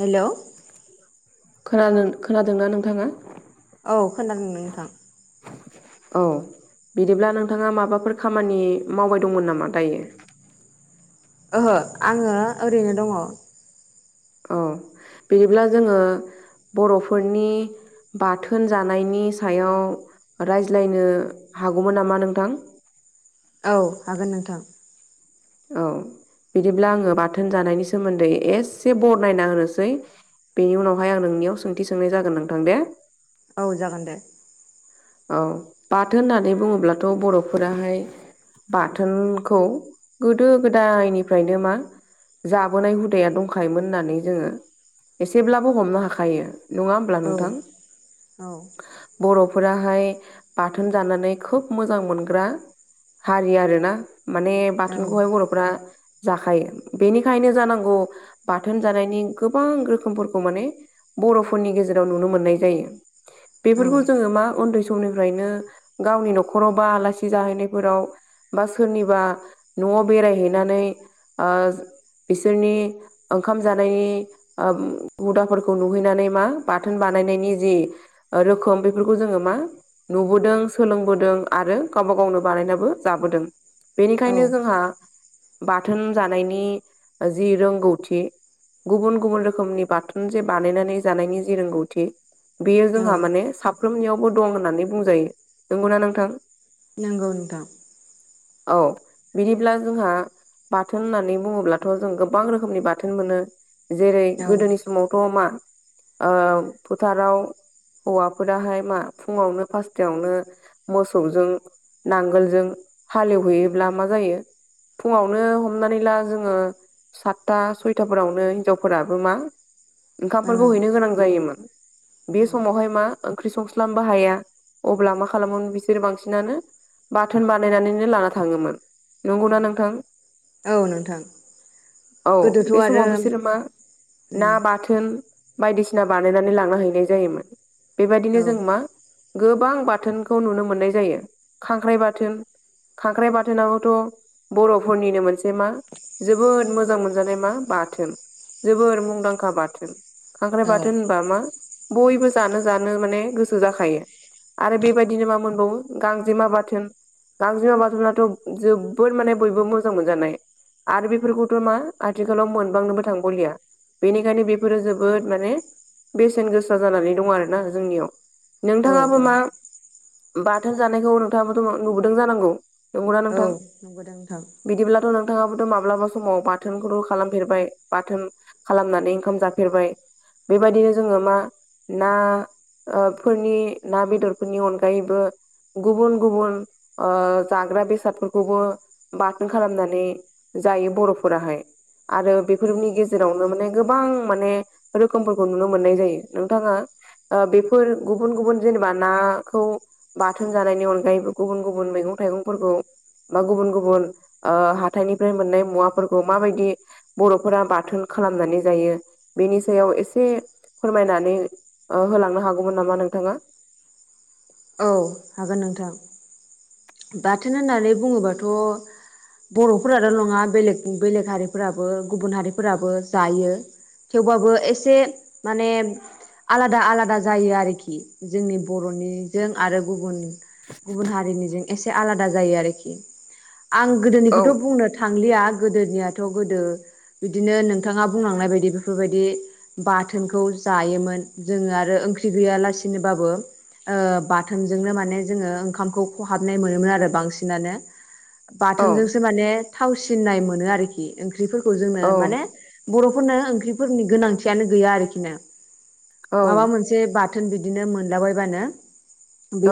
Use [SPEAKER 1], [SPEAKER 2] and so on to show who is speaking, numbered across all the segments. [SPEAKER 1] हेल'!
[SPEAKER 2] खोनादों खोनादोंना नोंथाङा?
[SPEAKER 1] औ खोनादों नोंथां।
[SPEAKER 2] औ बिदिब्ला नोंथाङा माबाफोर खामानि मावबाय दंमोन नामा दायो?
[SPEAKER 1] ओहो आङो ओरैनो दङ।
[SPEAKER 2] औ बिदिब्ला जोङो बरफोरनि बाथोन जानायनि सायाव रायज्लायनो हागौमोन नामा नोंथां?
[SPEAKER 1] औ हागोन नोंथां।
[SPEAKER 2] औ बिदिब्ला आङो बाथोन जानायनि सोमोन्दै एसे बरनायना होनोसै। बेनि उनावहाय आं नोंनियाव सोंथि सोंनाय जागोन नोंथां दे।
[SPEAKER 1] औ जागोन दे।
[SPEAKER 2] औ बाथोन होननानै बुङोब्लाथ' बर'फोराहाय बाथोनखौ गोदो गोदायनिफ्रायनो मा जाबोनाय हुदाया दंखायोमोन होननानै जोङो एसेब्लाबो हमनो हाखायो। नङा होमब्ला
[SPEAKER 1] औ
[SPEAKER 2] नोंथां? बर' फोराहाय बाथोन जानानै खोब मोजां मोनग्रा हारि आरोना। माने बाथोनखौहाय
[SPEAKER 1] औ
[SPEAKER 2] बरफ्रा जाखायो बेनिखायनो जानांगौ बाथोन जानायनि गोबां रोखोमफोरखौ माने बरफोरनि गेजेराव नुनो मोननाय जायो
[SPEAKER 1] औ
[SPEAKER 2] बेफोरखौ जोङो मा उन्दै समनिफ्रायनो गावनि नखराव बा आलासि जाहैनायफोराव बा सोरनिबा न'आव बेरायहैनानै आ बिसोरनि ओंखाम जानायनि आ हुदाफोरखौ नुहैनानै मा बाथोन बानायनायनि जि रोखोम बेफोरखौ जोङो मा नुबोदों सोलोंबोदों आरो गावबा गावनो बानायनाबो जाबोदों।
[SPEAKER 1] औ
[SPEAKER 2] बेनिखायनो जोंहा बाथोन जानायनि जि रोंगौथि गुबुन गुबुन रोखोमनि बाथोन जे बानायनानै जानायनि जि रोंगौथि बेयो
[SPEAKER 1] औ
[SPEAKER 2] जोंहा माने साफ्रोमनियावबो दं होननानै बुंजायो। नंगौना नोंथां?
[SPEAKER 1] नोंगौ नोंथां।
[SPEAKER 2] औ। बिदिब्ला जोंहा बाथोन होननानै बुङोब्लाथ जों गोबां रोखोमनि बाथोन मोनो जेरै
[SPEAKER 1] औ
[SPEAKER 2] गोदोनि स मावथ' मा फोथाराव हौवाफोराहाय मा फुङावनो फासथायावनो मोसौजों नांगोलजों हालेवहैयोब्ला मा जायो? फुङावनो हमनानै ला जोङो सातथा सयथाफोरावनो हिनजावफोराबो मा ओंखामफोरखौ
[SPEAKER 1] ओं
[SPEAKER 2] हैनो गोनां जायोमोन बे
[SPEAKER 1] औ
[SPEAKER 2] समावहाय मा ओंख्रि संस्ला बनोबो हाया अब्ला मा खालामो बिसोरो बांसिनानो बाथोन बानायनानैनो लाना थाङोमोन। नंगौना नोंथां
[SPEAKER 1] ओं औ नोंथां।
[SPEAKER 2] औ
[SPEAKER 1] गोदोथ'
[SPEAKER 2] बे
[SPEAKER 1] आरो
[SPEAKER 2] समाव बिसोरो मा
[SPEAKER 1] उम
[SPEAKER 2] ना बा थोन बायदिसिना बानायनानै लांना हैनाय जायोमोन।
[SPEAKER 1] औ
[SPEAKER 2] बेबायदिनो जों मा गोबां बाथोनखौ नुनो मोननाय जायो खांख्राइ बाथोन। खांख्राइ बाथोनाबोथ' बर'फोरनिनो मोनसे मा जोबोद मोजां मोनजानाय मा बाथोन। जोबोर मुंदांखा बाथोन। खांख्राइ
[SPEAKER 1] औ
[SPEAKER 2] बाथोन होनबा मा बयबो जानो जानो माने गोसो जाखायो। आरो बेबायदिनो मा मोनबावो गांजेमा बाथोन। गांज्रिमा बाथौनाथ' जोबोद माने बयबो मोजां मोनजानाय। आरो बेफोरखौथ' मा आथिखालाव मोनबांनोबो थांबावलिया। बेनिखायनो बेफोरो जोबोद माने बेसेन गोसा जानानै दं आरोना जोंनियाव।
[SPEAKER 1] औ
[SPEAKER 2] नोंथाङाबो मा बाथोन जानायखौ नोंथाङाबोथ' नुबोदों जानांगौ? नंगौना
[SPEAKER 1] औ
[SPEAKER 2] नोंथां
[SPEAKER 1] नुबोदों नोंथां।
[SPEAKER 2] बिदिब्लाथ' नोंथाङाबोथ' माब्लाबा समाव बाथोनखौथ' खालामफेरबाय बाथोन खालामनानै ओंखाम जाफेरबाय बेबायदिनो जोङो मा ना ओ फोरनि ना बेदरफोरनि अनगायैबो गुबुन गुबुन ओ जाग्रा बेसादफोरखौबो बाथोन खालामनानै जायो बर'फोराहाय आरो बेफोरनि गेजेर जेरावनो माने गोबां माने रोखोमफोरखौ नुनो मोननाय जायो नोंथाङा ओ बे फोर गुबुन गुबुन जेनेबा नाखौ बाथोन जानायनि अनगायैबो गुबुन गुबुन मैगं थाइगंफोरखौ बा गुबुन गुबुन ओ हाथाइनिफ्राय मोननाय मुवाफोरखौ माबायदि बर'फोरा बाथोन खालामनानै जायो बेनि सायाव एसे फोरमायनानै ओ होलांनो हागौमोन नामा नोंथाङा?
[SPEAKER 1] औ हागोन नोंथां। बाथोन होननानै बुङोबाथ' बर'फोराल' नङा बेलेग बेलेग हारिफोराबो गुबुन हारिफोराबो जायो। थेवबाबो एसे माने आलादा आलादा जायो आरोखि जोंनि बर'निजों आरो गुबुन गुबुन हारिनिजों एसे आलादा जायो आरोखि आं
[SPEAKER 2] औ
[SPEAKER 1] गोदोनिखौथ' बुंनो थांलिया गोदोनियाथ' गोदो बिदिनो नोंथाङा बुंलांनाय बायदि बेफोरबायदि बाथोनखौ जायोमोन जोङो आरो ओंख्रि गैयालासिनोबाबो ओ बाथोनजोंनो माने जोङो ओंखामखौ खहा हाबनाय मोनोमोन आरो बांसिनानो
[SPEAKER 2] औ
[SPEAKER 1] बाथोनजोंसो माने थावसिननाय मोनो आरोखि। ओंख्रिफोरखौ जोंनो
[SPEAKER 2] औ
[SPEAKER 1] माने बर'फोरनो ओंख्रिफोरनि गोनांथियानो गैया आरोखिनो।
[SPEAKER 2] औ
[SPEAKER 1] माबा मोनसे बाथोन बिदिनो मोनलाबायबानो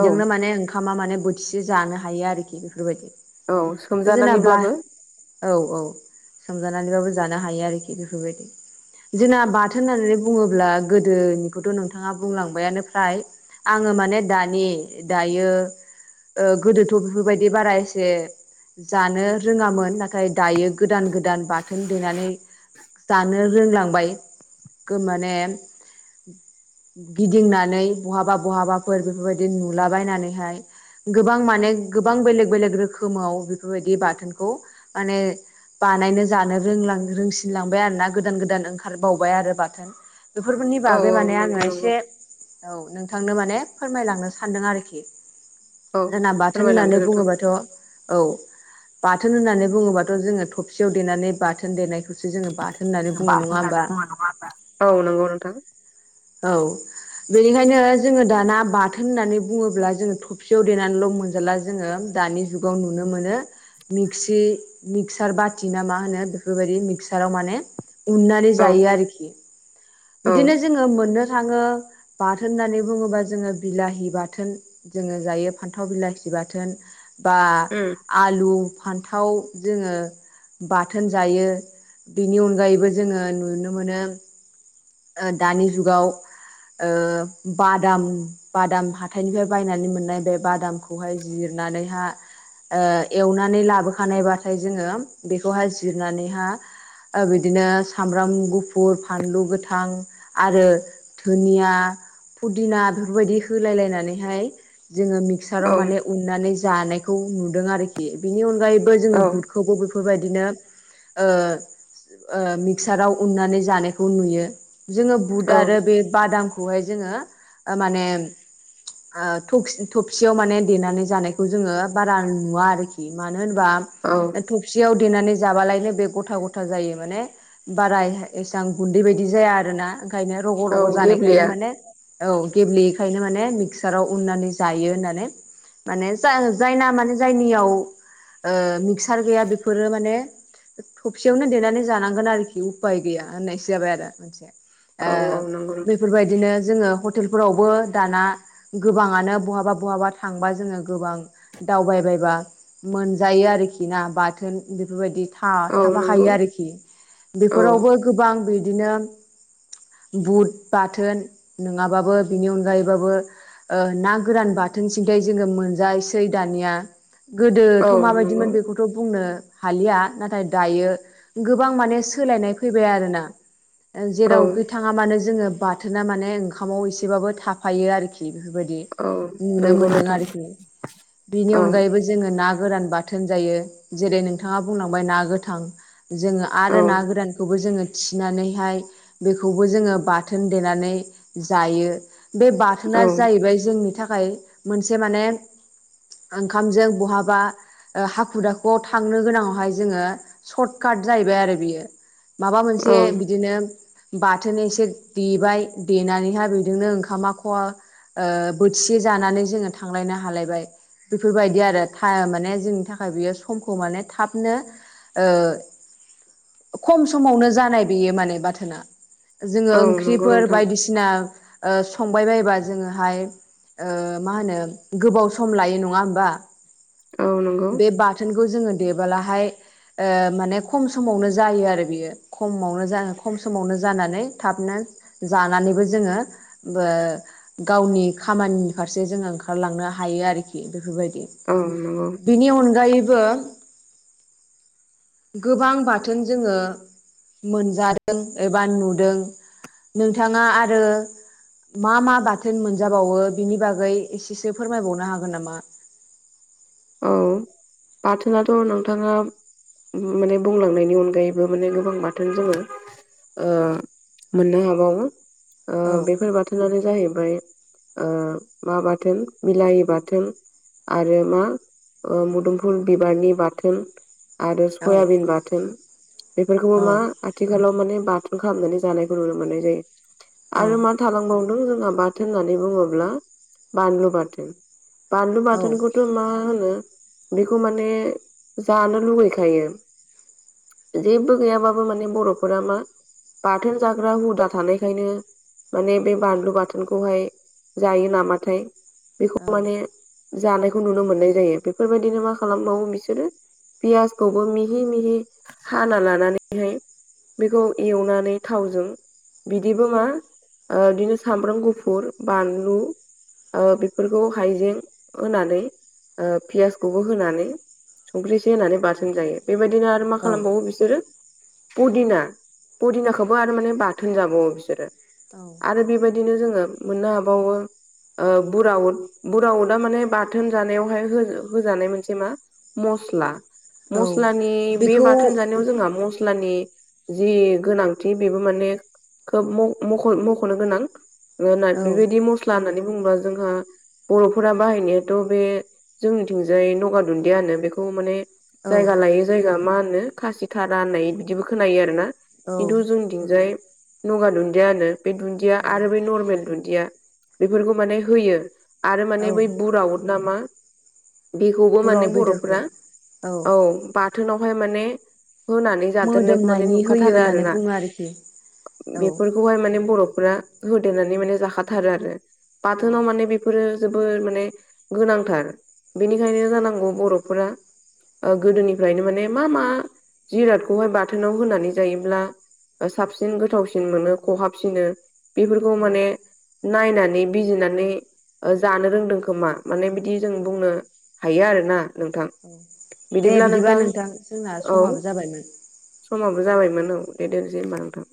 [SPEAKER 2] औ
[SPEAKER 1] माने ओंख ओंखामा खालामा माने बोथिसे जानो हायो आरोखि बेफोरबायदि
[SPEAKER 2] औ
[SPEAKER 1] जोंना बा
[SPEAKER 2] सोमजानानैब्लाबो
[SPEAKER 1] औ औ सोमजानानैबाबो जानो हायो आरोखि बेफोरबायदि। जोंना बाथोन होननानै बुङोब्ला गोदोनिखौथ' नोंथाङा बुंलांबायानो फ्राय। आङो माने दानि दायो ओ गोदोथ' बेफोरबायदि बारा एसे जानो रोङामोन नाथाय दायो गोदान गोदान बाथोन देनानै जानो रोंलांबाय गो माने गिदिंनानै बहाबा बहाबाफोर बेफोरबायदि नुलाबायनानैहाय। गोबां माने गोबां बेलेग बेलेग रोखोमाव बेफोरबायदि बाथोनखौ माने बानायनो जानो रोंला रोंसिनलांबाय आरो ना गोदान गोदान ओंखारबावबाय आरो बाथोन। बेफोरफोरनि
[SPEAKER 2] औ
[SPEAKER 1] बागै
[SPEAKER 2] औ
[SPEAKER 1] माने आङो
[SPEAKER 2] नंगौ नंगौ
[SPEAKER 1] एसे औ नोंथांनो माने फोरमायलांनो सानदों आरोखि।
[SPEAKER 2] औ
[SPEAKER 1] जोंना बाथोन
[SPEAKER 2] फोरमायलांदो
[SPEAKER 1] होननानै
[SPEAKER 2] नोंथां।
[SPEAKER 1] बुङोबाथ' औ बाथोन होननानै बुङोबाथ' जोङो थबसियाव देनानै बाथोन देनाय खौसो जोङो बाथोन होननानै बुङो नङा होमबा?
[SPEAKER 2] औ नंगौ नोंथां।
[SPEAKER 1] औ बेनिखायनो जोङो दाना बाथोन होननानै बुङोब्ला जोङो थबसियाव देनानैल' मोनजाला जोङो दानि जुगाव नुनो मोनो मिक्सि मिक्सार बाथि ना मा होनो बेफोरबायदि मिक्साराव माने उननानै
[SPEAKER 2] औ
[SPEAKER 1] जायो आरोखि
[SPEAKER 2] औ
[SPEAKER 1] बिदिनो जोङो ङो मोननो थाङो बाथोन होननानै बुङोबा जोङो बिलाहि बाथोन जोङो जायो फान्थाव बिलाथि बाथोन बा
[SPEAKER 2] उम
[SPEAKER 1] आलु फान्थाव जोङो बाथोन जायो। बिनि अनगायैबो जोङो नुनो मोनो दानि जुगाव ओ बादाम बादाम हाथाइनिफ्राय बायनानै मोननाय बे बादामखौहाय जिरनानैहा‌ ओ एवनानै लाबोखानायबाथाय जोङो बेखौहाय जिरनानैहा ओ बिदिनो सामब्राम गुफुर फानलु गोथां आरो धुनिया फुदिना बेफोरबायदि होलाय लायनानैहाय जोङो मि
[SPEAKER 2] औ
[SPEAKER 1] मिक्साराव माने उननानै जानायखौ नुदों आरोखि बिनि अनगायैबो जोङो
[SPEAKER 2] औ
[SPEAKER 1] बुटखौबो बे बेफोरबायदिनो ओ ओ मिक्साराव उननानै जानायखौ नुयो जोङो बुद
[SPEAKER 2] औ
[SPEAKER 1] आरो बे बादामखौहाय जोङो ओमाने ओ थखस थबसियाव माने देनानै जानायखौ जोङो बारा नुवा आरोखि मानो होनोबा ओ
[SPEAKER 2] औ
[SPEAKER 1] थख थबसियाव देनानै जाबालायनो बे गथा गथा जायो माने बारा एसां गुन्दै बायदि जाया आ आरोना ओंखायनो रग'
[SPEAKER 2] औ
[SPEAKER 1] रग' जानायखायनो
[SPEAKER 2] गेब्लेया
[SPEAKER 1] माने औ गेब्लेयैखायनो माने मिक्साराव उननानै जायो होननानै माने जायना माने जायनियाव ओ मिकस सार गैया बेफोरो माने थबसियावनो देनानै जानांगोन आरोखि उफाय गैया होननायसो जाबाय आरो मोनसे
[SPEAKER 2] औ औ नंगौ
[SPEAKER 1] ओ
[SPEAKER 2] नोंथां
[SPEAKER 1] बेफोरबायदिनो जोङो हटेलफोरावबो दाना गोबाङानो बहाबा बहाबा थांबा जोङो गोबां दावबायबायबा मोनजायो आरोखि ना बाथोन बेफोरबायदि
[SPEAKER 2] औ नंगौ
[SPEAKER 1] था-थाफाखायो आरोखि
[SPEAKER 2] औ
[SPEAKER 1] बेफोरावबो गोबां बिदिनो बुद बाथोन नङाबाबो बिनि अनगायैबाबो ओ ना गोरान बाथोन सिन्थाय जोङो मोनजायोसै दानिया गोदोथ'
[SPEAKER 2] औ नंगौ
[SPEAKER 1] माबायदिमोन बेखौ थ' बुंनो हालिया नाथाय दायो गोबां माने सोलायनाय फैबाय आरोना
[SPEAKER 2] औ
[SPEAKER 1] जेरावखि थाङा मानो जोङो बाथोना माने ओंखामाव एसेबाबो थाफायो आरोखि बेफोरबायदि
[SPEAKER 2] औ
[SPEAKER 1] नुनो
[SPEAKER 2] नंगौ
[SPEAKER 1] मोनदों
[SPEAKER 2] नोंथां
[SPEAKER 1] आरोखि बेनि
[SPEAKER 2] औ
[SPEAKER 1] अनगायैबो जोङो ना गोरान बाथोन जायो जेरै नोंथाङा बुंलांबाय ना गोथां जोङो
[SPEAKER 2] औ
[SPEAKER 1] आरो ना गोरानखौबो जोङो थिनानैहाय बेखौबो जोङो बाथोन देनानै जायो बे
[SPEAKER 2] औ
[SPEAKER 1] बाथोना जाहैबाय जोंनि थाखाय मोनसे माने ओंखामजों बहाबा ओ हाखु दाखुआव थांनो गोनांआवहाय जोङो सर्ट काट जाहैबाय आरो बियो माबा
[SPEAKER 2] औ
[SPEAKER 1] मोनसे बिदिनो बाथोन एसे देबाय देनानैहा बिदिनो ओंखामा खवा ओ बोथिसे जानानै जोङो थांलायनो हालायबाय बेफोरबायदि आरो था माने जोंनि थाखाय बियो समखौ माने थाबनो ओ खम समावनो जानाय बेयो माने बाथोना जोङो
[SPEAKER 2] औ नंगौ
[SPEAKER 1] ओंख्रिफोर
[SPEAKER 2] नोंथां
[SPEAKER 1] बायदिसिना ओ संबाय बायोबा जोङोहाय ओ मा होनो गोबाव सम लायो नङा होमबा
[SPEAKER 2] औ नंगौ
[SPEAKER 1] बे बा बाथोनखौ जोङो देबोलाहाय ओ माने खम समावनो जायो आरो बियो खमावनो जा खम समावनो जानानै थाबनो जानानैबो जोङो बो गावनि खामानि फारसे जोङो ओंखारलांनो हायो आरोखि बेफोरबायद दि
[SPEAKER 2] औ नंगौ
[SPEAKER 1] बिनि अनगायैबो गोबां बाथोन जोङो मोनजादों एबा नुदों नोंथाङा आरो मा मा बाथोन मोनजाबावो बिनि बागै एसेसो फोरमायबावनो हागोन नामा?
[SPEAKER 2] औ बाथोनथ' नोंथाङा माने बुंलांनायनि अनगायैबो माने गोबां बाथोन जोङो ओ मोननो हाबावो ओ
[SPEAKER 1] औ
[SPEAKER 2] बेफोरबाथ बाथोनानो जाहैबाय ओ मा बाथोन बिलायि बाथोन आरो मा मुदुमफुल बिबारनि बाथोन आरो
[SPEAKER 1] औ
[SPEAKER 2] सयाबिन बाथोन बेफोरखौबो
[SPEAKER 1] औ
[SPEAKER 2] मा आथिखालाव माने बाथुम खालामनानै जानायखौ नुनो मोननाय जायो
[SPEAKER 1] औ
[SPEAKER 2] आरो मा थालांबावदों जोंहा बाथोन होननानै बुङोब्ला बानलु बाथोन बानलु
[SPEAKER 1] औ
[SPEAKER 2] बाथोनखौथ' मा होनो बेखौ माने जानो लुुगैखायो जेबो गैयाबाबो माने बर'फोरा मा बाथोन जाग्रा हुदा थानायखायनो माने बे बानलु बाथोनखौहाय जायो नामाथाय बेखौ माने जानायखौ नुनो मोननाय जायो बेफोरबायदिनो मा खालामबावो बिसोरो पियासखौबो मिहि मिहि हाना लानानैहाय बेखौ एवनानै थावजों बिदिबो मा बिदिनो सामब्राम गुफुर बानलु बेफोरखौ हायजें होनानै पियासखौबो होनानै संख्रि इसे होनानै बाथोन जायो बेबायदिनो आरो मा
[SPEAKER 1] औ औ
[SPEAKER 2] खालामबावो बिसोरो पुदिना पुदिनाखौबो आरो माने बाथोन जाबावो बिसोरो
[SPEAKER 1] औ
[SPEAKER 2] आरो बेबायदिनो जोङो मोननो हाबावो ओ बुराउद बुराउदा माने बाथोन जानायाव बेहाय होजानाय मोनसे मा मस्ला
[SPEAKER 1] औ
[SPEAKER 2] मस्लानि बे
[SPEAKER 1] बेखौ
[SPEAKER 2] बाथोन जानायाव जोंहा मस्लानि जि गोनांथि बेबो माने खोब मख'नो गोनां
[SPEAKER 1] औ
[SPEAKER 2] बेबायदि मस्ला होननानै बुङोब्ला जोंहा बर'फोरा बाहायनायाथ' बे जोंनिथिंजाय नगार दुन्दियाहोनो बेखौ माने
[SPEAKER 1] औ
[SPEAKER 2] जायगा लायो जायगा मा होनो खासि थारा होननाय बिदिबो खोनायो आरोना
[SPEAKER 1] औ
[SPEAKER 2] खिनथु जों बिथिंजाय नगा दुन्दिया होनो बे दुन्दिया
[SPEAKER 1] औ
[SPEAKER 2] आरो बै नरमेल दुन्दिया बेफोरखौ माने होयो आरो
[SPEAKER 1] औ
[SPEAKER 2] माने बै बुराउद ना मा बेखौबो माने
[SPEAKER 1] बुराव बेदरखौ
[SPEAKER 2] बर'फोरा औ बाथोनावहाय माने होनानै जादेरनायखौ माने
[SPEAKER 1] मोदोमनायनि होयो
[SPEAKER 2] नुखाथारो आरो
[SPEAKER 1] होननानै
[SPEAKER 2] ना
[SPEAKER 1] बुङो आरोखि औ
[SPEAKER 2] बेफोरखौ बर'फोरा होनानै म जाखाथारो आरो
[SPEAKER 1] औ
[SPEAKER 2] बाथोनाव मान बेफोरो जोबोर माने गोनांथार बेनिखायनो जानांगौ बर'फोरा गोदोनिफ्रायनो माने मा मा जिरादखौहाय बाथोनाव होनानै जायोब्ला साबसिन गोथावसिन मोनो खहाबसिनो बेफोरखौ
[SPEAKER 1] औ
[SPEAKER 2] माने नायनानै बिजिनानै जानो रोंदों खोमा माने बिदि जों बुंनो हायो आरोना नोंथां
[SPEAKER 1] औ दे बिदिबा नोंथां जोंना
[SPEAKER 2] औ
[SPEAKER 1] समाबो जाबायमोन
[SPEAKER 2] समाबो जाबायमोन औ दे दोननोसै होनबा नोंथां